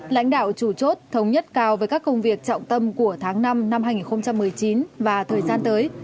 lãnh đạo chủ chốt thống nhất cao với các công việc trọng tâm của tháng năm năm hai nghìn một mươi chín và thời gian tới